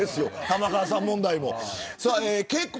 玉川さん問題も。